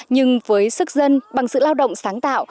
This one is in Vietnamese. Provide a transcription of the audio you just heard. nhưng với sức dân bằng sự lao động sáng tạo